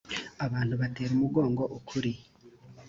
abantu batera umugongo ukuri